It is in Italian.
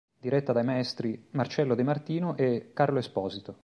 Diretta dai maestri: Marcello De Martino e Carlo Esposito.